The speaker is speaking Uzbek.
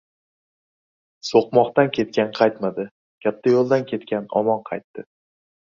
• So‘qmoqdan ketgan qaytmadi, katta yo‘ldan ketgan omon qaytdi.